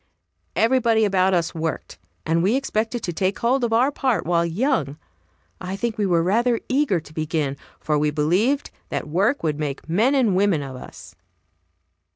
Everybody about us worked, and we expected to take hold of our part while young. I think we were rather eager to begin, for we believed that work would make men and women of us.